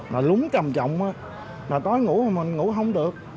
là lúng trầm trọng là tối ngủ mình ngủ không được